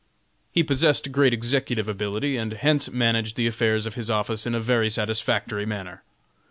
He possessed great executive ability and hence managed the affairs of his office in a very satisfactory manner.